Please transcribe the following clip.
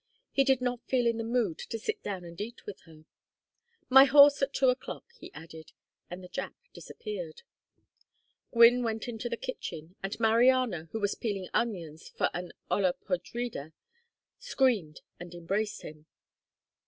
He did not feel in the mood to sit down and eat with her. "My horse at two o'clock," he added. And the Jap disappeared. Gwynne went into the kitchen, and Mariana, who was peeling onions for an olla podrida, screamed and embraced him.